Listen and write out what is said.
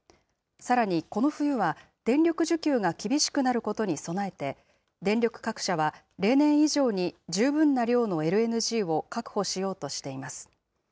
さらにこの冬は、電力需給が厳しくなることに備えて、電力各社は例年以上に十分な量のＬＮＧを確保しようとしています。